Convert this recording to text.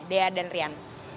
dea dan rian